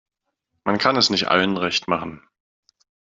Man kann es nicht allen recht machen.